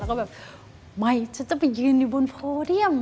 แล้วก็แบบไม่ฉันจะไปยืนอยู่บนโพเดียม